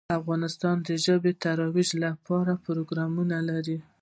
افغانستان د ژبې د ترویج لپاره پروګرامونه لري.